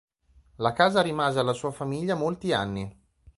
La casa rimase alla sua famiglia molti anni.